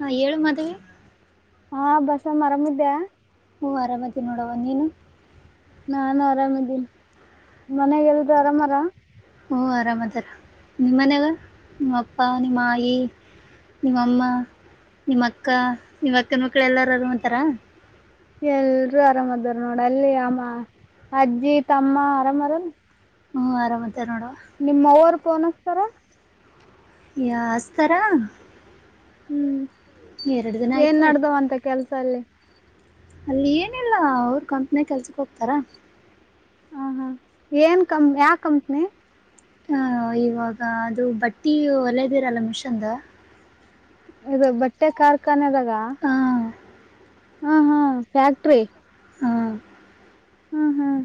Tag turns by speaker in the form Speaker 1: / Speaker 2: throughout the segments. Speaker 1: ಹಾ ಹೇಳು ಮಾದೇವಿ
Speaker 2: ಹಾ ಬಸಮ್ಮ ಆರಾಮ್ ಇದೆಯಾ
Speaker 1: ಹ್ಞೂ ಆರಾಮ ಅದಿನಿ ನೋಡವ ನೀನು
Speaker 2: ನಾನು ಆರಾಮಿದ್ದೀನಿ ಮನೆಗೆಲ್ದ ಆರಾಮಾರ
Speaker 1: ಹ್ಞೂ ಆರಾಮದಾರ ನಿಮ್ಮನ್ಯಾಗ ನಿಮ್ಮಪ್ಪ ನಿಮ್ಮಾಯಿ ನಿಮ್ಮಮ್ಮ ನಿಮ್ಮ ಅಕ್ಕ ನಿಮ್ಮ್ ಅಕ್ಕನ ಮಕ್ಳ ಎಲ್ಲಾರು ಅರಾಮದಾರ
Speaker 2: ಎಲ್ರು ಆರಾಮ್ದಾರ ನೋಡ ಅಲ್ಲಿ ಅಮ್ಮ ಅಜ್ಜಿ ತಮ್ಮ ಆರಾಮದರೆನ್
Speaker 1: ಹ್ಞೂಂ ಆರಾಮ ಆಧಾರ್ ನೋಡುವ
Speaker 2: ಫೋನ್ ಹಚ್ತಾರ
Speaker 1: ಯಾ ಹಸ್ತಾರಾ
Speaker 2: ಹ್ಮ್ ಏನ್
Speaker 1: ಆಯ್ತು ಹಚ್-
Speaker 2: ನಡ್ದವ್ಂತ ಕೆಲ್ಸ ಅಲ್ಲಿ
Speaker 1: ಅಲ್ಲಿ ಏನಿಲ್ಲ ಅವ್ರ ಕಂಪ್ನಿ ಕೆಲ್ಸಕ್ ಹೋಗ್ತಾರ
Speaker 2: ಹ ಹಾ ಏನ್ ಕಂಪನಿ ಯಾವ ಕಂಪ್ನಿ
Speaker 1: ಹ ಇವಾಗ ಅದು ಬಟ್ಟಿ ಒಲದಿರಲ್ಲ ಮಿಷನ್ದ
Speaker 2: ಇದು ಬಟ್ಟೆ ಕಾರ್ಖಾನೆದಾಗ
Speaker 1: ಹಾಂ
Speaker 2: ಹಾ ಹಾ ಫ್ಯಾಕ್ಟ್ರಿ
Speaker 1: ಹಾಂ
Speaker 2: ಹ್ಮ್ ಹ್ಮ್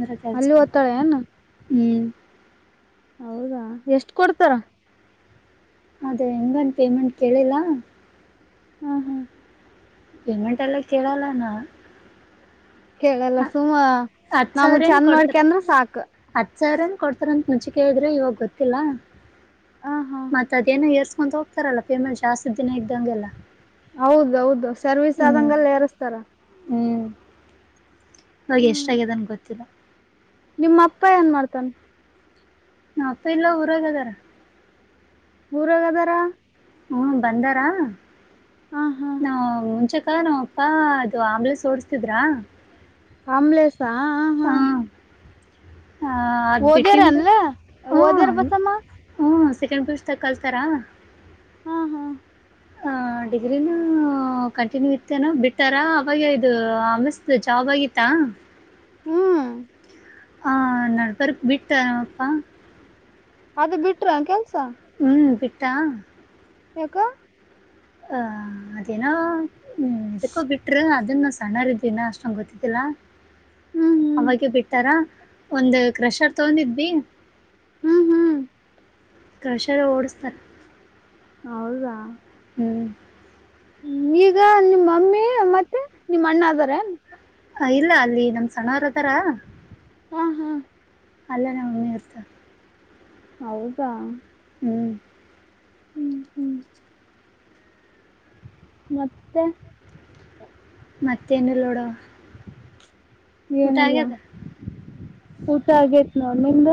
Speaker 1: ಅ್ರ
Speaker 2: ಅಲ್ಲಿ
Speaker 1: ಕೆಲ್ಸಾಕ
Speaker 2: ಓದ್ತಾಳೆ
Speaker 1: ಕೊಗತಾರ
Speaker 2: ಏನ್
Speaker 1: ಹ್ಮ್
Speaker 2: ಹೌದಾ ಎಷ್ಟ ಕೊಡ್ತಾರ
Speaker 1: ಅದೇ ಹೆಂಗಂದು ಪೇಮೆಂಟ್ ಕೇಳಿಲ್ಲ
Speaker 2: ಹ್ಮ್ ಹ್ಮ್
Speaker 1: ಪೇಮೆಂಟ್ ಎಲ್ಲ ಕೇಳಲ್ಲಾನ
Speaker 2: ಕೇಳಲ್ಲ ಸುಮ್ಮ
Speaker 1: ಹತ್ತು
Speaker 2: ನಮ ಚಂದ ನೋಡ್ಕ ಅಂದ್ರ ಸಾಕು
Speaker 1: ಸರಿನ್ ಕೊಡ್ತಾರ ಅಂತ ಮುಂಚಿಕೆ ಇದ್ರೆ ಇವಾಗ ಗೊತ್ತಿಲ್ಲ
Speaker 2: ಹ ಹಾ
Speaker 1: ಮತ್ತತ್ ಅದೇನ ಏರ್ಸ್ಕೊ ಹೋಗ್ತಾರಲ್ಲ ಪೇಮೆಂಟ್ ಜಾಸ್ತಿ ದಿನ ಇದ್ದಂಗೆಲ್ಲ
Speaker 2: ಹೌದೌದು ಸರ್ವಿಸ್
Speaker 1: ಹ್ಮ್
Speaker 2: ಆದಂಗೆಲ್ಲ ಎರಸ್ತಾರ
Speaker 1: ಹ್ಮ್ ಹೋಗ ಎಷ್ಟ
Speaker 2: ಹ್ಮ್
Speaker 1: ಆಗ್ಯದನ್ ಗೊತ್ತಿಲ್ಲ
Speaker 2: ನಿಮ್ಮ ಅಪ್ಪ ಏನ್ ಮಾಡ್ತಾನ
Speaker 1: ಊರಾಗದರ
Speaker 2: ಊರಗದರ
Speaker 1: ಹ್ಮ ಬಂದಾರಾ
Speaker 2: ಹ ಹಾ
Speaker 1: ನಾ ಮುಂಚೆ ಅಕ್ಕ ನಾವಪ್ಪಾ ಅದು ಆಮ್ಲೆನ್ಸ್ ಓಡ್ಸ್ತಿದ್ರಾ
Speaker 2: ಆಮ್ಲೇಸಾ
Speaker 1: ಹ ಅದು್
Speaker 2: ಓದ್ಯಾರ
Speaker 1: ಬಿಟ್ಟಂದು
Speaker 2: ಅನ್ಲ
Speaker 1: ಹ
Speaker 2: ಓದ್ಯಾರ
Speaker 1: ಹಞ
Speaker 2: ಬಸಮ್ಮ
Speaker 1: ಸೆಕೆಂಡ್ ಪೂಸ್ ತ ಕಲ್ತಾರಾ
Speaker 2: ಹಾ ಹಾ
Speaker 1: ಆ ಡಿಗ್ರಿನ ಕಂಟಿನ್ಯೂ ಇತ್ತೇನೋ ಬಿಟ್ಟಾರ ಅವಾಗ ಇದು ಅಮಸ್ತ್ ಜಾಬ್ ಅವಾಗಿತಾ
Speaker 2: ಹ್ಮ್
Speaker 1: ಹ ನಪೇರು ಬಿಟ್ಟಾರಪ್ಪಾ
Speaker 2: ಅದು ಬಿಟ್ರ ಕೆಲ್ಸ
Speaker 1: ಹ್ಮ ಬಿಟಾ
Speaker 2: ಯಕ
Speaker 1: ಹ ಅದೇನ ಹ್ಮ್ ಎಕ್ಕೋ ಬಿಟ್ರು ಅದನ್ನ ಸಣ್ಣರಿದು ಇನ್ನ ಅಷ್ಟೊಂಗ ಗೊತ್ತಿದ್ದಿಲ್ಲ
Speaker 2: ಹ್ಮ್ ಹ್ಮ್
Speaker 1: ಅವಾಗ ಬಿಡ್ತಾರ ಒಂದು ಕ್ರಷರ್ ತಗೊಂಡಿದ್ವಿ
Speaker 2: ಹ್ಮ್ ಹ್ಮ್
Speaker 1: ಕೃಷರ ಓಡ್ಸ್ಾರೆ
Speaker 2: ಹೌದಾ
Speaker 1: ಹ್ಮ್
Speaker 2: ಹ್ಮ ಈಗ ನಿಮ್ಮ ಮಮ್ಮಿ ಮತ್ತೆ ನಿಮ್ಮ ಅಣ್ಣ ಅದಾರ
Speaker 1: ಇಲ್ಲ ಅಲ್ಲಿ ನಮ್ ಸಣ್ಣವರ ಅದಾರ
Speaker 2: ಹಾ ಹಾ
Speaker 1: ಅಲ್ಲ ನ ಮಿರ್ತ
Speaker 2: ಹೌದಾ
Speaker 1: ಹ್ಮ್
Speaker 2: ಹ್ಮ್ ಹ್ಮ್ ಮತ್ತೆ
Speaker 1: ಮತ್ತೇನು ನೋಡೋ
Speaker 2: ಏನಲ್ಲ ಊಸ ಆಗೇತ್ ನ ನಿಮ್ದ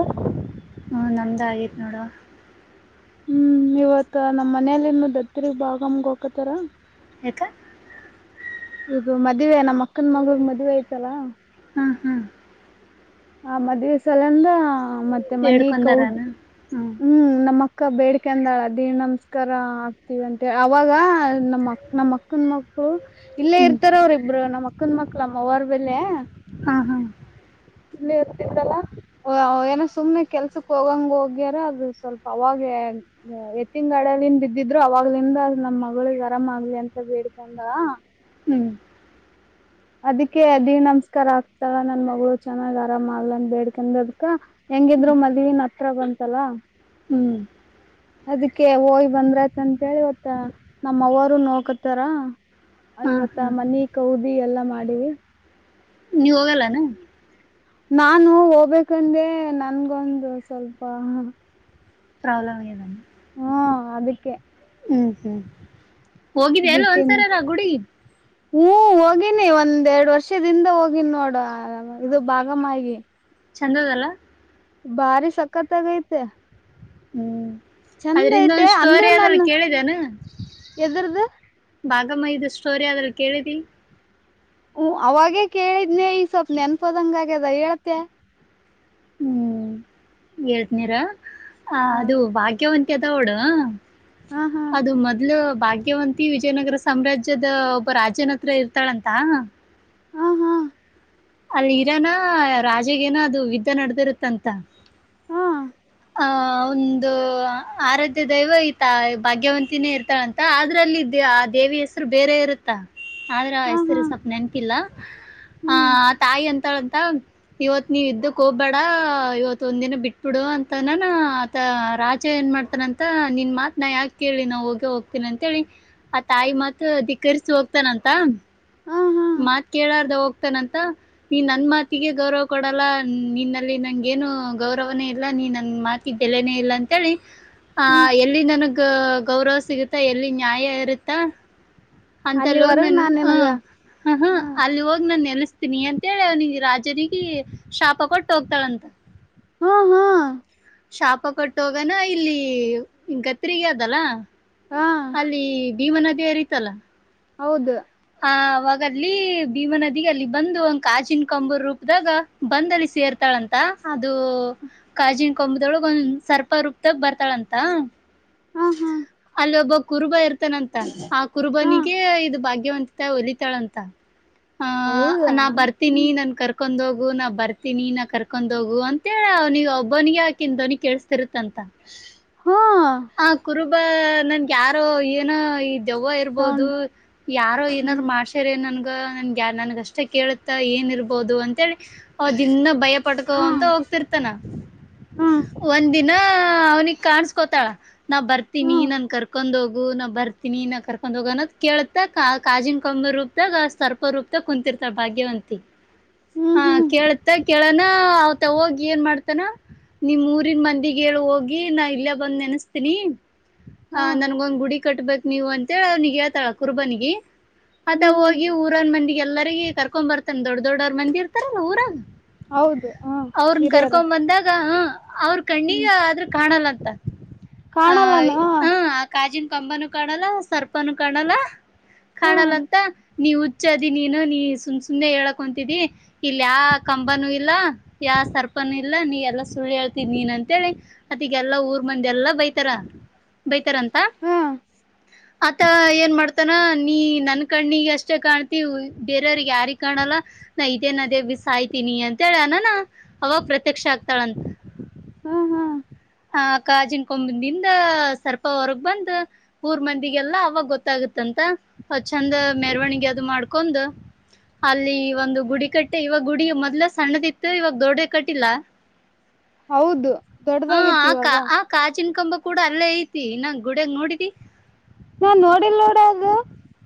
Speaker 1: ಹ್ಮ ನಮ್ದ ಆಗೇತ್ ನೋಡ
Speaker 2: ಹ್ಮ್ ಇವತ್ತ ನಮ್ಮ್ ಮನೆಯಲ್ಲಿ ಇನ್ನು ದತ್ತರಿಗ್ ಭಾಗಮಗ ಹಕತಾರ
Speaker 1: ಇ
Speaker 2: ಇಗ ಮದ್ುವವೆ ನಮ್ಮ್ ಅಕ್ಕನ್ ಮಗಿಗೆ ಮದ್ವೆ ಆಐ್ತಲ್ಲಾ
Speaker 1: ಹಾಂ ಹಾಂ
Speaker 2: ಆ ಮದ್ವೆೆ ಸಲಂದ ಮತ್ತೆ ಮನ ಕೌ
Speaker 1: ಬೇಡ್ಕೊಂಡಾರನ
Speaker 2: ಹ್ಮ್ ನಮ್ಮ ಅಕ್ಕ ಬೇಡ್ಿಕೆ ಅಂದಳ ದೀರ್ ನಮಸ್ಕಾರ ಆಗ್ತೀವ ಅಂತಿ ಅವಾಗ ನಮ್ಮ ನಮ್ಮ ಅಕ್ಕನ ಮಕ್ಳು ಇಲ್ಲೇ
Speaker 1: ಹ್ಮ್
Speaker 2: ಇರ್ತಾರ ಅವ್ರ ಇಬ್ರು ನಮ್ಮ್ ಅಕ್ಕನ್ ಮಕ್ಳಮ್ಮವಾರ್ ಬೆಲೆ
Speaker 1: ಹಾ ಹಾ
Speaker 2: ಇಲ್ಲಿ ಇರ್ಲ್ಲ ಏನೋ ಸುಮ್ನೆ ಕೆಲ್ಸಕ್ ಹೋಗಂಗ ಹೋಗ್ಯಾರ ಅದು ಸ್ವಲ್ಪ ಅವಾಗ ಎತ್ತಿಿನ ಗಾಡಲಿಂದ ಬಿದ್ದಿದ್ರು ಅವಾಗ್ಲಿಂದ ನಮ್ ಮಗಳಿಗೆ ಆರಾಮ ಆಗ್ಲಿ ಅಂತ ಬೇಡ್ಕ ಹಾ
Speaker 1: ಹ್ಮ್
Speaker 2: ಅದಿಕ್ಕೆ ದೀ ನಮಸ್ಕಾರ ಆಗ್ತಾವ ನನ್ ಮಗಳು ಚೆನ್ನಾಗ್ ಆರಾಮ ಆಗ್ಲನ್ ಬೇಡ್ಕಂದದ್ಕ ಹೆಂಗಿದ್ರು ಮದ್ವನ್ ಹತ್ರ ಬಂತಲ್ಲ
Speaker 1: ಹ್ಮ್
Speaker 2: ಅದಕ್ಕೆ ಹೋಗಿ ಬಂದ್ರೈತ ಅಂತೇಳಿ ಇವತ್ತ ನಮ್ಮವರುೂ ನೋಕತಾರ
Speaker 1: ಹಾ
Speaker 2: ಇವತ್ತ
Speaker 1: ಹಾ
Speaker 2: ಮನಿ ಕೌದಿ ಎಲ್ಲಾ ಮಾಡಿವಿ
Speaker 1: ನೀ ಹೋಗಲ್ಲಾನ
Speaker 2: ನಾನು ಹೋಗ್ಬೇಕಂದೆ ನನ್ಗೊಂದು ಸ್ವಲ್ಪ
Speaker 1: ಪ್ರಾಬ್ಲಮ ಏ ನ
Speaker 2: ಹಾ ಅದಕ್ಕೆ
Speaker 1: ಹ್ಮ್ ಹ್ಮ್ ಹೋಗಿದ ಎಲ್ಲ ಒಂದ್ಸರ ನಾ ಹುಡುಗಿದ
Speaker 2: ಹೂಞ ಹೋಗಿನಿ ಒಂದ್ೆರಡ್ ವರ್ಷದಿಂದ ಹೋಗಿನಿ ನೋಡ ಇದು ಭಾಗಮಗಿ
Speaker 1: ಚಂದದಲ್ಲ
Speaker 2: ಭಾರಿ ಸಕ್ಕತ ಆ ಗೈತೆ
Speaker 1: ಹ್ಮ್
Speaker 2: ಚಂದ
Speaker 1: ಅದ್ರಿಂದ
Speaker 2: ಐತೆ
Speaker 1: ಒಂದ್ ಸ್ಟೋರಿ
Speaker 2: ಅಂದ್ರೆ
Speaker 1: ಅದ್ರಲ್ಲಿ
Speaker 2: ನಾನು
Speaker 1: ಕೇಳಿದೇನ
Speaker 2: ಎದ್ರ್ದ
Speaker 1: ಭಾಗಮಹಿದ ಸ್ಟೋರಿ ಅದರಲ್ಲಿ ಕೇಳೀರಿ
Speaker 2: ಹ್ಮ ಅವಾಗೇ ಕೇಳಿದ್ನನೆ ಈ ಸ್ವಪ್ ನೆನ್ಪದಂಗಗ್ಯದ ಹೇಳ್ತೆ
Speaker 1: ಹ್ಮ್ ಹೇಳ್ತನಿರ ಆ
Speaker 2: ಹ
Speaker 1: ಅದು ಭಾಗ್ಯವಂತ ಕೆದಡ
Speaker 2: ಹಾ ಹಾ
Speaker 1: ಅದು ಮೊದ್ಲು ಭಾಗ್ಯವಂತಿ ವಿಜಯನಗರ ಸಾಮ್ರಾಜ್ಯದ ಒಬ್ಬ ರಾಜನ ಹತ್ರ ಇರ್ತಾಳಂತ
Speaker 2: ಹಾ ಹಾ
Speaker 1: ಅಲ್ಲಿ ಇರಾನ ರಾಜಗೇನ ಅದು ವಿದ್ದ ನಡದಿರುತ್ತಂತ
Speaker 2: ಹಾ [inaudible]
Speaker 1: ಒಂದು ಆರಾಧ್ಯ ದೈವ ಈತ ಭಾಗ್ಯವಂತಿನೇ ಇರ್ತಾಳಂತ ಆದದ್ರಲ್ಲಿ ಆ ದೇವ ಹೆಸ್ರು ಬೇರೆ ಇರುತ್ತಾ ಆದ್ರ
Speaker 2: ಹಾ ಹಾ
Speaker 1: ಹೆಸರು ಸ್ವಪ್ ನೆನ್ಕಿಲ್ಲ ಆ
Speaker 2: ಹ್ಮ್
Speaker 1: ಆ ತಾಯಿ ಅಂತ ಇವತ್ ನೀವ್ ಇದ್ದಕ್ ಹೋಗ್ಬೇಡ ಇವತ್ ಒಂದಿನ ಬಿಟ್ಬಿಡು ಅಂತ ನಾನ ಆತ ರಾಜ ಏನ್ ಮಾಡಾ್ತಾನಂತ ನಿನ್ನ ಮಾತ ನ ಯಾಕೆ ಕೇಳಿ ನಾವು ಹೋಗೇ ಹೋಗ್ತೀನ ಅಂತೇಳಿ ಆ ತಾಯಿ ಮತ್ ಧಿಕ್ಕರ್ಸಿ ಹೋಗ್ತಾನಂತ
Speaker 2: ಹಾ ಹಾ
Speaker 1: ಮಾತ್ ಕೇಳಾರ್ದ ಹೋಗ್ತಾನಂತ ನೀ ನನ್ ಮಾತಿಗೆ ಗೌರವ ಕೊಡಲ್ಲ ನಿನ್ನಲ್ಲಿ ನಂ ಏನು ಗೌರವನೇ ಇಲ್ಲ ನೀ ನನ್ ಮಾತ ಬೆಲೆನೇ ಇಲ್ಲ ಅಂತೇಳಿ ಹ
Speaker 2: ಹ್ಮ್
Speaker 1: ಎಲ್ಲಿ ನನಗ್ ಗೌರವ ಸಿಗುತ್ತಾ ಎಲ್ಲಿ ನ್ಯಾಯ ಇರುತ್ತ ಅಂತಲ್ಲ ಹೋಗ್
Speaker 2: ಅಲ್ಲಿವರೆಗ
Speaker 1: ನನ್
Speaker 2: ನಾನ್
Speaker 1: ಹ
Speaker 2: ನಿನಗ
Speaker 1: ಹ ಹಾ
Speaker 2: ಹ್ಮ್
Speaker 1: ಅಲ್ಲಿ ಹೋಗಿ ನಾನ ಎಲ್ಸ್ತೀನಿ ಅಂತ ಂತೇಳಿ ಅವ್ನಿಗೆ ರಾಜನಿಗೆ ಶಾಪ ಕೊಟ್ಟು ಹೋಗ್ತಾಳಂತ
Speaker 2: ಹ್ಮ ಹ್ಮ
Speaker 1: ಶಾಪ ಕೊಟ್ಟೋಗನ ಇಲ್ಲಿ ಹ ಕತ್ಗ ಅದಲ್ಲ
Speaker 2: ಹಾ
Speaker 1: ಅಲ್ಲಿ ಭೀಮ ನದಿಯ ಅರಿೀತಲ್ಲ
Speaker 2: ಹೌದು
Speaker 1: ಆ ಅವಾಗ ಅಲ್ಲಿ ಭೀಮಾ ನದಿಗೆ ಅಲ್ಲಿ ಬಂದು ಒಂದು ಕಾಜಿನ ಕಾಂಬರ್ ರೂಪದಾಗ ಬಂದಲ್ಲಿ ಸೇರ್ತಾಳ ಾಳಂತ ಅದು ಕಾಜಿನ ಕೊಂಬದೊಳಗ ಒಂದ್ ಸರ್ಪ ರೂಪ್ದಾಗ ಬರ್ತಾಳಂತ
Speaker 2: ಹಾ ಹಾ
Speaker 1: ಇಲ್ಲಿ ಒಬ್ಬ ಕುರುಬ ಇರ್ತಾನಂತ ಆ
Speaker 2: ಹಾ
Speaker 1: ಕುರುಬನಿಗೆ ಇದು ಭಾಗ್ಯವಂತಿತ ಹೊಲಿತಾಳಂತ ಹ
Speaker 2: ಹೌದಾ
Speaker 1: ನಾ ಬರ್ತೀನಿ
Speaker 2: ಹ್ಮ್
Speaker 1: ನನ್ ಕರ್ಕೊಂಡ ಹೋಗ ು ನಾ ಬರ್ತೀನಿ ನಾ ಕರ್ಕೊಂಡ್ ಹೋಗು ಅಂತ ಅವ್ನಿಗೆ ಒಬ್ಬವನಿಿಗೆ ಆಾಕನ್ವನಿ ಕೇಿಸಸ್ತಿರುತ್ತಂತ
Speaker 2: ಹಾ
Speaker 1: ಹ ಕುರುಬ ನನ್ಗೆ ಯಾರೋ ಏನೋ ಇದ ದೆವ್ ಇರ್ಬಹದು
Speaker 2: ಸೌಂಡ್
Speaker 1: ಯಾರೋ
Speaker 2: ಹ್ಮ್
Speaker 1: ಏನಾದ್ರು ಮಾಡಷರ ನನ್ ನನ್ಗೆ ಯ ನನ್ಗಷ್ಟೇ ಕೇಳುತ್ತಾ ಏನ್ ಇರ್ಬಹುದು ಅಂತೇಳಿ ಅದನ್ನ ಭಯ ಪಡ್ಕೋ
Speaker 2: ಹಾ
Speaker 1: ಅಂತ ಹೋಗ್ತಿರ್ತಾನ
Speaker 2: ಹಾ
Speaker 1: ಒಂದ ದಿನ ಅವ್ನಿಿಗೆ ಕಾಣಸ್ಕೋತಾಳ ನಾವ್
Speaker 2: ಹಾ
Speaker 1: ಬರ್ತೀನಿ ನನ್ ಕರ್ಕೊಂಡ್ ಹೋಗು ನಾ್ ಬರ್ತೀನಿ ನ ಕರ್ಕೊಂಡು ಹೋಗೋ ಕೇಳ ಕಾಜಿನ ಕೊಂಬೆ ರೂಪ್ದಾಗ ಸರ್ಪ ರೂಪ್ದಾಗ ಕುೂಂತತಿರ್ತಾರ ಭಾಗ್ಯವಂತಿ
Speaker 2: ಹ್ಮ್
Speaker 1: ಹಾ
Speaker 2: ಹ್ಮ್
Speaker 1: ಕೇಳ್ತ ಕೇಳನ ಅವತ ಹೋಗಿ ಏನ್ ಮಾಡ್ತಾನ ನಿಮ್ಮ್ ಊರಿನ್ ಮಂದಿಿಗೆ ಹೇಳು ಹೋಗಿ ನಾ ಇಲ್ಲೇ ಬಂದ ನೆನೆಸ್ತೀನಿ ಆ
Speaker 2: ಹಾ
Speaker 1: ನನ್ಗೊಂದ್ ಗುಡಿ ಕಟ್ಬೇಕಕ್ ನೀವು ಅಂತೇಳ ಅವ್ ನೀಗ್ ಹಳ್ತಾಳ ಕುರ್ಬನಿಗೆ ಮತ್ತ
Speaker 2: ಹ್ಮ್ ಹ್ಮ್
Speaker 1: ಹೋಗಿ ಊರನ್ ಮಂದಿಿಗೆ ಎಲ್ಲರಿಗ ಕರ್ಕೊಂಡ್ ಬರ್ತಾನ ದೊಡ್ಡ ದೊಡ್ಡವರ್ ಮಂದಿ ಇರ್ತಾರಲ್ಲಾ ಊರಾಗ
Speaker 2: ಹೌದು ಹ
Speaker 1: ಅವ್ರನ್ನ
Speaker 2: ಹಿರಿಯರ
Speaker 1: ಕರ್ಕೊ ಬಂದಾಗ ಹ ಅವ್ರ ಕಣ್ಣೀಗ
Speaker 2: ಹ್ಮ್
Speaker 1: ಆದ್ರ ಕಾಣಲ್ಲಂತ ಆ
Speaker 2: ಕಾಣಲ್ಲಾನ ಹಾ
Speaker 1: ಹ ಆ ಕಾಜಿನ ಕಂಬನು ಕಾಣಲ್ಲ ಸರ್ಪನು ಕಾಣಲ್ಲ ಕಾಣಲ್ಲಂತ ನೀವ ಹುಚ್ಚಾದಿ ನೀನು ನೀ ಸುಮ್ ಸುಮ್ನೆ ಹೇಳಕ್ೊಂತಿದಿ ಇಲ್ ಯಾ ಕಂಬ್ ಕಂಬನ ಇಲ್ಲ ಯಾ ಸರ್ಪನುೂ ಇಲ್ಲ ನೀ ಎಲ್ಲಾ ಸುಳ್ಳು ಹೇಳ್ತ ನೀನ್ ಅಂತೇಳಿ ಅತಿಿಗೆಲ್ಲಾ ಊರ್ ಮಂದ ಎಲ್ಲಾ ಬೈತಾರ ಬೈತಾರ ಅಂತ
Speaker 2: ಹಾ
Speaker 1: ಆತ ಏನ್ ಮಾಡ್ತ ತನ ನೀ ನನ್ ಕಣ್ಣಿಗೆ ಅಷ್ಟೇ ಕಾಣ್ತಿತಿ ಬೇರೆಯವ್ರಿಗೆ ಯಾರಿಗೆ ಕಾಣಲ್ಲ ನಾ ಇದೇ ನ ಅದೇ ಸಾಯ್ತೀನಿ ಅಂತ ಹೇಳ ಅನಾನ ಅವಾಗ ಪ್ರತ್ಯಕ್ಷ ಆಗ್ತಾಳಂತ
Speaker 2: ಹ್ಮ್ ಹ್ಮ್
Speaker 1: ಕಾಜಿನ ಕೊಂಬಿಂದ ಸರ್ಪ ಹೊರಗ ಬಂದ್ ಊರ್ ಮಂದಿ ಎಲ್ಲ ಅವಾಗ ಗೊತ್ತಾಗತ್ತಂತ ಚಂದ ಮೆರವಣಿಗೆ ಅದು ಮಾಡ್ಕೊಂಡ ಅಲ್ಲಿ ಒಂದು ಗುಡಿ ಕಟ್ಟೆ ಇವಾಗ ಗುಡಿ ಮೊದ್ಲ ಸಣ್ಣದಿತ್ತು ಇವಾಗ ದೊಡ್ಡಡೆ ಕಟ್ಟಿಲ್ಲ
Speaker 2: ಹೌದು
Speaker 1: ಹಾ
Speaker 2: ದೊಡ್ಡದಾಗೇತಿ
Speaker 1: ಆ ಕಾ
Speaker 2: ಇವಾಗ
Speaker 1: ಆ ಕಾಜಿನ ಕಂಬ ಕೂಡ ಅಲ್ಲೇ ಐತಿ ಇ ನಂಗ ಗುಡಾಗ ನೋಡಿದಿ
Speaker 2: ನಾ ನೋಡಿಲ್ ನೋಡ ಅದು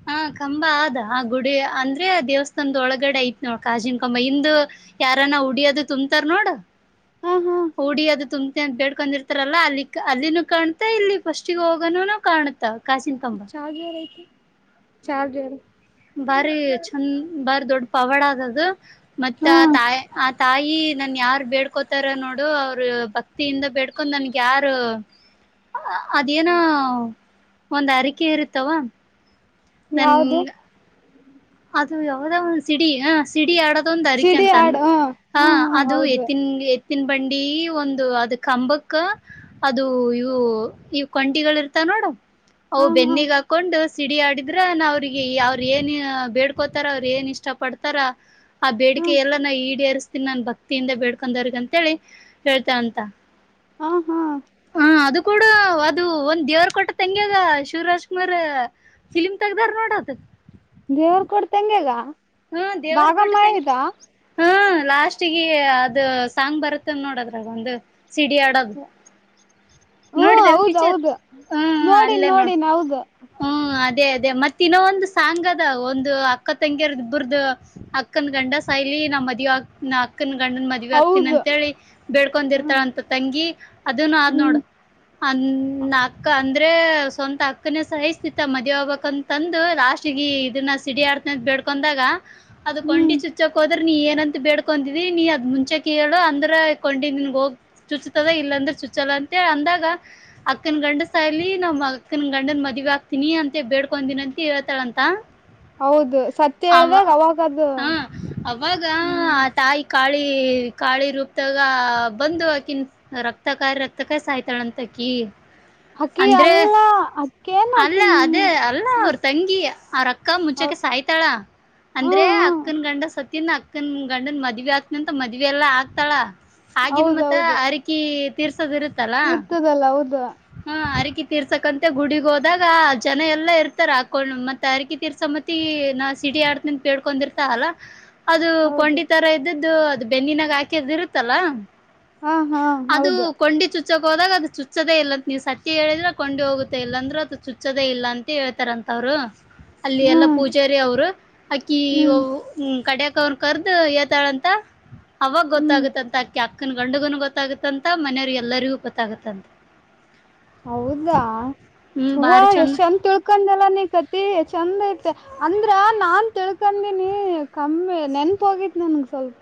Speaker 1: ಹಾ ಕಂಬ ಆದ ಆ ಗುಡಿ ಅಂದ್ರೆ ದೇವಸ್ಥಾನದ ಒಳಗಡೆ ಐತ್ ನೋ ಕಾಜಿನ ಕಂಬ ಇಂದು ಯಾರ ಊಡಿಯದು ತುಂಬತಾರ ನೋಡ
Speaker 2: ಹ ಹಾ
Speaker 1: ಉಡಿಯದು ತು ತೆನ ಬೇಡ್ಕೊಂಡಿರ್ತಾರಲ್ಲಾ ಅಲ್ಲಿ ಅಲ್ಲಿನೂ ಕಾಣ್ತಾ ಇಲ್ಲಿ ಫಸ್ಟಿಗೆ ಹೋಗನ ಕಾಣ್ತ
Speaker 2: ಚಾರ್ಜರ್ ಐತಿ ಚಾರ್ಜರ್
Speaker 1: ಬಾರಿ ಚನ್ ಬಾರಿ ದೊಡ್ ಪವಾಡಾದ ಅದು ಮತ್ತ
Speaker 2: ಹಾ
Speaker 1: ಆ ತಾಯಿ ಆ ತಾಯಿ ನನ್ ಯಾರ್ ಬೇಡ್ಕೋತಾರ ನೋಡು ಅವರು ಭಕ್ತಿಯಿಂದ ಬೆಡ್ಕೊಂಡ್ ನನ್ಗೆ ಯಾರು ಅದೇನೋ ಒಂದ್ ಅರಿಕೆ ಇರುತ್ತವಾ
Speaker 2: ಯಾವ್ದ
Speaker 1: ನನ್ಗ ಅದು ಯಾವದ ಒ ಸಿಡಿ ಹ ಸಿಡಿ ಆಡೋದ ಒಂದು ಅರಿಕೆ
Speaker 2: ಸಿಡಿ
Speaker 1: ಅಂತಂದ
Speaker 2: ಆಡ್ ಹ
Speaker 1: ಹ
Speaker 2: ಹಾ ಹಾ
Speaker 1: ಅದು
Speaker 2: ಹೌದು
Speaker 1: ಎತ್ತನ್ ತಿನ್ಬಂಡಿ ಒಂದು ಅದ ಕಂಬಕ್ಕ ಅದು ಇವು ಇವು ಕಂಠಿಗಳ ಇರ್ತವ
Speaker 2: ಹ
Speaker 1: ಅವ ಬೆನ್ನಿಗ್ ಹಾಕೊಂಡು ಸಿಡಿ ಆಡಿದ್ರ ನ ಅವ್ರಿಗೆ ಅವ್ರ ಏನ ಬೇಡ್ಕೋತಾರ ಅವ್ರ ಏನ್ ಇಷ್ಟ ಪಡ್ತಾರ ಆ
Speaker 2: ಹ್ಮ
Speaker 1: ಬೇಡಿಕೆ ಎಲ್ಲ ನ ಈಡೇರಿಸ ನನ್ ಭಕ್ತಿಯಿಂದ ಬೇಡ್ಕೊಂಡವ್ರಗ ಅಂತೇಳಿ ಹೇಳ್ತಂತ
Speaker 2: ಹಾ ಹಾ
Speaker 1: ಹಾ ಅದು ಕೂಡ ಅದು ಒಂದ್ ದೇವ್ರ ಕೊಟ್ಟ ತಂಗ್ಯಾಗ ಶಿವರಾಜ್ ಕುುಮಾರ್ ಫಿಲಿಮ ತಗದಾರ ನೋಡತ
Speaker 2: ದೇವ್ರ ಕೊಡ್ತಂಗಗೆಗ
Speaker 1: ಹ್ಮ ದೇವರು ಕೊಟ್ಟ ತಂಗ ಹಾ ಲಾಸ್ಟ್ಗ ಅದು ಸಾಂಗ್ ಬರುತ್ತ ನೋಡದ್ರ ಒಂದು ಸಿಡಿ ಆಡೋದು
Speaker 2: ಹ್ಮ
Speaker 1: ನೋಡಿದ ಪಿಚರ್
Speaker 2: ಹೌದೌದು
Speaker 1: ಹ್ಮ
Speaker 2: ನೋಡಿನ್
Speaker 1: ಅಲ್ಲೇ ನೋಡ್
Speaker 2: ನೋಡಿನ್ ಹೌದು
Speaker 1: ಹ್ಮ ಅದೇ ಅದೇ ಮತ್ತ ಇನ್ನೊ ಒಂದು ಸಾಂಗ್ ಅದ ಒಂದು ಅಕ್ಕ ತಂಗಿಯರದ ಅಬರ್ದ ಅಕ್ಕನ ಗಂಡ ಸಾಯಲಿ ನಮ್ಮ ಮದ ಅಕ್ಕನ್ ಗಂಡನ್ ಮದವಿ ಆಕ್ತನ
Speaker 2: ಹೌದು
Speaker 1: ಅಂತೇಳಿ
Speaker 2: ಹ್ಮ್
Speaker 1: ಬೇಡ್ಕೊಂಡಿರ್ತಾಳಂತ ತಂಗಿ ಅದನು ಆದ್
Speaker 2: ಹ್ಮ್
Speaker 1: ನೋಡು ಅ ನಾಕ ಅಂದ್ರೆ ಸ್ವಂತ ಅಕ್ಕನೇ ಸಹಿಸ್ತಿತ್ತ ಮದ್ೆ ಹೋಗಬಬೇಕ ಅಂತಂದು ಲಾಸ್ಟ್ಗ ಇದನ್ನ ಸಿಡಿ ಆಡ್ತ ಬೇಡ್ಕೊಂಡಾಗ ಅದು ಕೊಂಡಿ
Speaker 2: ಹ್ಮ್
Speaker 1: ಚುಚ್ಚಕೋ ಅಂದ್ರೆ ನೀ ಏನಂತ ಬೇಡ್ಕೊಂತಿದಿ ನೀ ಅದ ಮುಂಚೆೇಳು ಅಂದ್ರೆ ಕೊಂಡಿದ್ದಿನ್ಗ ಹೋಗ್ ಚುಚ್ತದ ಇಲ್ಲಾಂದ್ರೆ ಚುಚ್ಚಲ ಅಂತ ಅಂದಾಗ ಅಕ್ಕನ ಗಂಡ ಸಾಯಲಿ ನಮ್ಮ್ ಅಕ್ಕನ ಗಂಡನ್ ಮದ್ವಿ ಆಗ್ತೀನಿ ಅಂತ ಬೇಡ್ಕೊ ದಿನ ಅಂತ ಹೇಳ್ತಾಳಂತ
Speaker 2: ಹೌದು ಸತ್ಯ
Speaker 1: ಅವ
Speaker 2: ಹೇಳ್ದಾಗ ಅವಾಗದು
Speaker 1: ಹಾ ಅವಾಗ
Speaker 2: ಹ್ಮ್
Speaker 1: ಆ ತಾಯಿ ಕಾಳಿ ಕಾಳಿ ರೂಪ್ದಾಗ ಬಂದು ಅಕಿನ ರಕ್ತ ಕಾಯಿ ರಕ್ತ ಕಾಯಿ ಸಾಯ್ತಾಳಂತ ಅಕ್ಕಿ
Speaker 2: ಅಕ್ಕಿ
Speaker 1: ಅಂದ್ರೆ
Speaker 2: ಅಲ್ಲ ಅಕ್ಕೇನ್
Speaker 1: ಅಲ್ಲ
Speaker 2: ಅಕ್ಕಿ
Speaker 1: ಅದೇ ಅಲ್ಲ
Speaker 2: ಹ್ಮ
Speaker 1: ಅವ್ರ ತಂಗಿಯ ಅವ್ರಕ್ಕ
Speaker 2: ಹೌ
Speaker 1: ಮುಂಚಕೆ ಸಾಯ್ತಾಳ
Speaker 2: ಹಾ
Speaker 1: ಅಂದ್ರೆ
Speaker 2: ಹ
Speaker 1: ಅಕ್ಕನ ಗಂಡ ಸತನ್ ಅಕ್ಕನ್ ಗಂಡನ್ ಮದ್ವಿ ಆಗ್ತನ ಅಂತ ಮದ್ ಇವೆಲ್ಲ ಹಾಕ್ತಾಳ ಹಾಗಿದ ಮತ್ತ
Speaker 2: ಹೌದೌದು
Speaker 1: ಅರಿಕಿ ತೀರ್ಸೋದ್
Speaker 2: ಇರ್ತದಲ್ಲ ಹೌದು
Speaker 1: ಹರಕಿ ತೀರ್ಸಕಂತೆ ಗುಡಿಗ್ ಹೋದಾಗ ಜನ ಎಲ್ಲಾ ಇರ್ತಾರ ಹಾಕೊಂಡ ಮತ್ತತ್ ಅರಿಕಿ ತೀರ್ಸ ಮತ್ತ ಈ ನಾ ಸಿಡಿ ಆಡ್ತಂತ ಕೇಳ್ಕೊಂಡಿರ್ತ ಅಲ್ಲ ಅದು
Speaker 2: ಹೌದು
Speaker 1: ಕೊಂಡಿತರ ಇದ್ದದ್ದು ಅದು ಬೆನ್ನಿನಾಗ ಹಾಕಿರ್ದು ಇರುತ್ತಲ್ಲಾ
Speaker 2: ಹಾ ಹಾ
Speaker 1: ಅದು
Speaker 2: ಹೌದು
Speaker 1: ಕೊಂಡಿ ಚುಚ್ಚಕ್ ಹೋದಾಗ ಅದು ಚುಚ್ಚದೇ ಇಲ್ಲ ನೀವು ಸತ್ಯ ಹೇಳಿದ್ರೆ ಕೊಂಡಿ ಹೋಗುತ್ತಾ ಇಲ್ಲ ಅಂದ್ರರು ಅದು ಚುಚ್ಚೋದೇ ಇಲ್ಲ ಅಂತ ಹೇಳ್ತಾರಂತವ್ರು ಅಲ್ಲಿ ಎಲ್ಲಾ
Speaker 2: ಹ್ಮ್
Speaker 1: ಪೂಜಾರಿ ಅವರು ಅಕ್ಕಿ
Speaker 2: ಹ್ಮ್
Speaker 1: ಕಡ ಅವನ್ ಕರ್ದು ಏತಾಳಂತ ಅವಾಗ
Speaker 2: ಹ್ಮ್
Speaker 1: ಗೊತ್ತಾಗುತ್ತಂತಕ್ಯಾಕ್ ಅಕ್ಕನ್ ಗಂಡಗನ ಗೊತ್ತಾಗತ್ತಂತ ಮನೆಯವ್ರಿಗೆ ಎಲ್ಲರಿಗೂ ಗೊತ್ತಾಗತ್ತಂತ
Speaker 2: ಹೌದಾ ಹೂವ ಎಷ್ಟ ಚಂದ ತಿಳ್ಕೊಂಡನೆೆಲ್ಲ ಕತಿ ಚಂದ ಐತೆ ಅಂದ್ರ ನಾನ್ ತಿಳ್ಕಂದಿನಿ ಕಮ್ಮಿ ನೆನ್ಪ ಹೋಗತ್ ನ ಹ ಸ್ವಲ್ಪ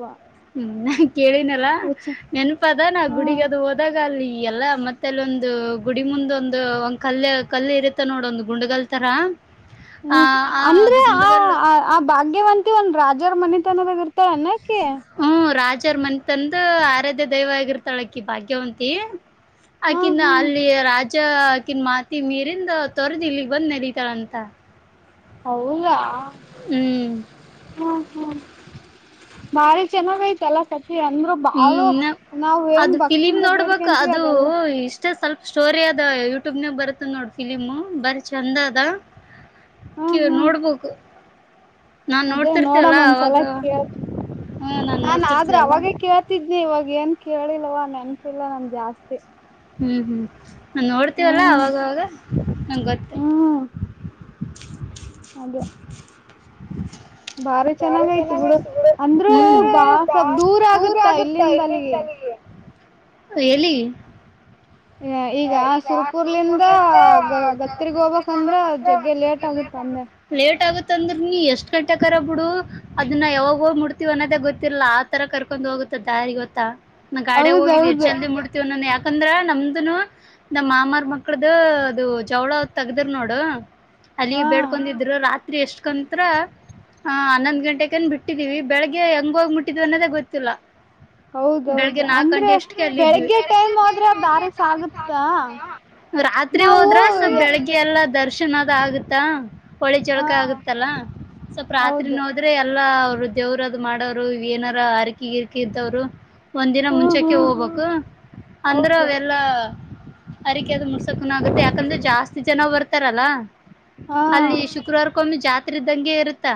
Speaker 1: ಹ್ಮ ನಾ ಕೇಳಿನಲ್ಲಾ
Speaker 2: ಯೋಚ
Speaker 1: ನೆನಪ ಅದ ನಾ
Speaker 2: ಹ
Speaker 1: ಗುಡಿಗ ಅದು ಹೋದಾಗ ಅಲ್ಲಿ ಎಲ್ಲ ಮತ್ತೆ ಅಲ್ಲಿ ಒಂದು ಗುಡಿ ಮುಂದ ಒಂದು ಒ ಕಲ್ಲ ಕಲ್ಲು ಇರುತ್ತೆ ನೋಡ ಒಂದು ಗುಂಡಗಲ್ ತರ ಆ
Speaker 2: ಹ್ಮ್
Speaker 1: ಆ
Speaker 2: ಅಂದ್ರೆ
Speaker 1: ಅದು
Speaker 2: ಆ
Speaker 1: ಗುಂಡಗಲ್
Speaker 2: ಆ ಭಾಗ್ಯವಂತಿ ಒಂದ ರಾಜರ ಮನೆಿತನದ ಇರ್ತ ಅನ್ನೆ ಹ
Speaker 1: ಆಚಾರ್ ಮನೆ ತಂದು ಆರಾಧ್ಯ ದೈವ ಆಗಿರ್ತಾಳಕ್ಕಿ ಭಾಗ್ಯವಂತಿ
Speaker 2: ಹಾ
Speaker 1: ಅಕಿಂದ
Speaker 2: ಹ್ಮ್
Speaker 1: ಅಲ್ಲಿ ರಾಜ ಅಕಿನ ಮಾತಿ ಮೀರಿಂದ ತೊರ್ದ್ ಇಲ್ಲಿಗ್ ಬಂದ್ ನೆಡತಾಳಂತ
Speaker 2: ಹೌದಾ
Speaker 1: ಹ್ಮ್
Speaker 2: ಹಾ ಹಾ ಬಾರ ಚನ ಚಲ ಅಂದ್ರು
Speaker 1: ಹ್ಮ್
Speaker 2: ಬಾಳ
Speaker 1: ಇನ್ನ
Speaker 2: ನಾವವು ಏನ್
Speaker 1: ಅದು
Speaker 2: ಭಕ್ತಿಯಿಂದ ಬೇಡ್ಕಂತೀವಿ ಅದೆಲ್ಲಾ.
Speaker 1: ಅಷ್ಟೇ ಸ್ವಲ್ಪ ಸ್ಟೋರಿ ಅದ ಯೂಟ್ಯೂಬ್ನಾಗ ಬರುತ್ತ ನೋಡ್ ಫಿಲಿಮು ಬರ ಚೆಂದ ಅದ. ಕೆ
Speaker 2: ಹ್ಮ್ ಹ್ಮ್
Speaker 1: ನೋಡ್ಬೇಕು ನಾನ್
Speaker 2: ಅದೇ
Speaker 1: ನೋಡ್ತಿರ್ತೇವಲ್ಲ
Speaker 2: ನೋಡಮ್ಮ
Speaker 1: ಅವಾಗ
Speaker 2: ಒಂದ್ಸಲ ಕೇಳ್ತ.
Speaker 1: ಹ್ಮ
Speaker 2: ನಾನ್ ಆದ್ರೂ
Speaker 1: ನೋಡ್ತಿರ್ತೇವಲ್ಲ
Speaker 2: ಅವಾಗೇ ಕೇಳ್ತಿದನಿ ಇವಾಗ ಅಂತ. ಕೇಳಿಲ್ಲವಾ ನೆನಪಿಲ್ಲ ನಮ್ ಜಾಸ್ತಿ.
Speaker 1: ಹ್ಮ್ ಹ್ಮ್ ನಾ ನೋಡ್ತೀವಲ್ಲ
Speaker 2: ಹ್ಮ್
Speaker 1: ಅವಾಗವಾಗ ನಂ ಗೊತ್ತು.
Speaker 2: ಹ್ಮ್ ಅದೇ
Speaker 1: [inaudible]
Speaker 2: ಬಾರ ಚೆನ್ನಾಗಾಯ್ತು ಬಿುಡು ಅಂದ್ರೂ
Speaker 1: ಹ್ಮ್
Speaker 2: ಬಾ ಸ್ವಪ್ ದೂರ ಆಗುತ್ತಾ ಇಲ್ಲಿಂದ ಅಲ್ಲಿಗೆ. [inaudible]
Speaker 1: ಎಲ್ಲಿ. ಈಗ ಸುರ್ಪುರ್ಲಿಂದ
Speaker 2: ಗ ಗತ್ತರ್ಗ್ ಹೋಗ್ಬೇಕಂದ್ರ
Speaker 1: ಘತ್ತರಗಿ ಸಸ
Speaker 2: ಜಗ್ಗೆ ಆಗುತ್ತ
Speaker 1: ಲೇಟ್ ಆಗ.
Speaker 2: ಅಂದೆ
Speaker 1: ಲೇಟ್ ಆಗುತ್ತೆ. ತಿಂದ್ರ ನೀ ಎಷ್ಟ್ ಗಂಟೆ ಕರ ಬಿಡು ಅದನ್ನ ಯಾವಾಗ ಹೋಗ ಮುಟ್ಟುತ್ತೀವಿ ಅನ್ನೋದೇ ಗೊತ್ತಿಲ್ಲ ಆ ತರ ಕರ್ಕೊಂಡ್ ಹೋಗ. ದಾರಿ ಗೊತ್ತಾ ನ ಗಾಡ ಹೋಗಿದ್ದ
Speaker 2: ಹೌದೌದು
Speaker 1: ಜಲ್ದಿ ಮುಡ್ತವ ಯಾಕಂದ್ರ ನಮ್ದನು. ನಮ್ಮ ಮಾಮಾರ್ ಮಕ್ಳ್ದ ಅದು ಜವಳ ತಗ್ದಿರ್ ನೋಡು. ಅಲ್ಲಿಗೆ
Speaker 2: ಹಾ
Speaker 1: ಬೇಡ್ಕಿದ್ರ ರಾತ್ರಿ ಎಷ್ಟಕಂತತ್ರ. ಹಾ ಹನ್ನೊಂದ್ ಗಂಟೆ ಕಂದ ಬಿಟ್ಟಿದೀವಿ ಬೆಳಗ್ಗೆಂಗ ಹೋಗ್ ಮುಟ್ಟಿದ್ ಅನ್ನೋದೇ ಗೊತ್ತಿಲ್ಲಾ.
Speaker 2: ಹೌದೌದು ಅಂದ್ರೆ
Speaker 1: ಅಲ್ಲಿದ್ವಿ
Speaker 2: ಬೆಳಿಗ್ಗೆ ಟೈಮ್ ಆದ್ರೆ ದಾರೆ ಸಾಗುತ್ತಾ.
Speaker 1: ರಾತ್ರಿ
Speaker 2: ನಾವು
Speaker 1: ಹೋದ್ರ ಸ್ವ ಬೆಳಿಗ್ಗೆ ಎಲ್ಲ ದರ್ಶನ್ ಅದ ಆಗುತ್ತಾ ಹೊಳಿ
Speaker 2: ಹ
Speaker 1: ಜಳಕ ಆಗುತ್ತಲ್ಲಾ. ಸ್ವಲ್ಪ ರಾತ್ರಿ
Speaker 2: ಹೌದು
Speaker 1: ನೋದ್ರೆ ಎಲ್ಲಾ ಅವರು ದೇವ್ರದು ಮಾಡೋರು ಏನಾರ. ಹರಕಿ ಗಿರ್ಕಿ ಒಂದ್ ದಿನ
Speaker 2: ಹ್ಮ್
Speaker 1: ಮುಂಚಕ
Speaker 2: ಹ್ಮ್
Speaker 1: ಹೋಗ್ಬೇಕು ಅಂದ್ರೆ
Speaker 2: ಹೌದು
Speaker 1: ಅವೆಲ್ಲಾ. ಅರಿಕೆ ಅದು ಮುಡ್ಸಕನ ಆಗುತ್ತೆ ಯಾಕಂದ್ರೆ ಜಾಸ್ತಿ ಜನ ಬರ್ತಾರಲ್ಲ. ಅಲ್ಲಿ
Speaker 2: ಹಾ
Speaker 1: ಶುಕ್ರವಾರಕ್ಕೊಮ್ಮೆ ಜಾತ್ರೆ ಇದ್ದಂಗೆ ಇರುತ್ತಾ.